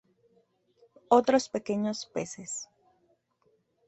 Otros pequeños peces.